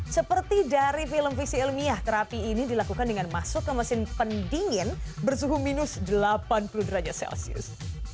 seperti dari film visi ilmiah terapi ini dilakukan dengan masuk ke mesin pendingin bersuhu minus delapan puluh derajat celcius